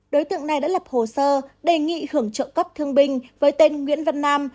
đối tượng này đã lập hồ sơ đề nghị hưởng trợ cấp thương binh với tên nguyễn văn nam